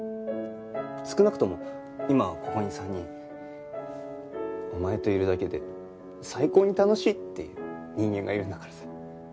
少なくとも今ここに３人お前といるだけで最高に楽しいっていう人間がいるんだからさ。